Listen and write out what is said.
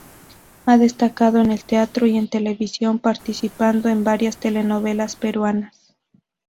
Ha destacado en el teatro y en televisión, participando en varias telenovelas peruanas.